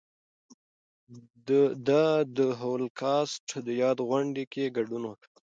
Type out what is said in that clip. ده د هولوکاسټ د یاد غونډې کې ګډون وکړ.